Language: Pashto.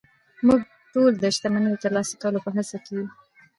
موږ ټول د شتمنۍ د ترلاسه کولو په هڅه کې يو